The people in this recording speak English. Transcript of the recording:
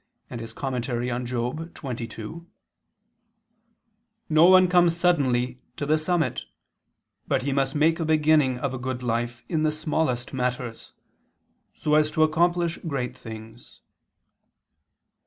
and Moral. xxii): "No one comes suddenly to the summit; but he must make a beginning of a good life in the smallest matters, so as to accomplish great things."